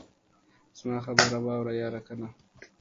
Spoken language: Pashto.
زما خبره واوره ياره کنه.